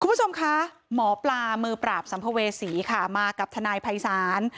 คุณผู้ชมคะหมอปลามือปราบสัมภเวษีค่ะมากับทนายภัยศาล